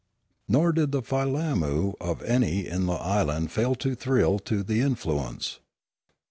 Nor did the filammu of any in the island fail to thrill to the influence.